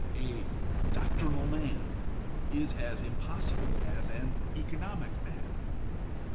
A "doctrinal man" is as impos sible as an "economic man."